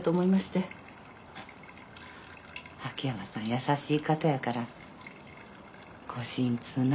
優しい方やからご心痛なんどすやろ。